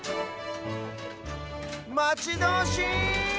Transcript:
まちどおしい！